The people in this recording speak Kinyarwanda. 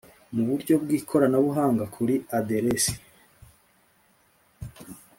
mu buryo bw ikoranabuhanga kuri aderesi